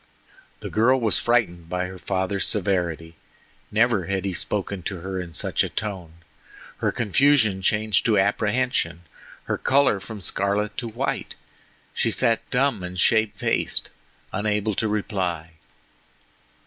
The girl was frightened by her father's severity. Never had he spoken to her in such a tone. Her confusion changed to apprehension, her color from scarlet to white. She sat dumb and shamefaced, unable to reply.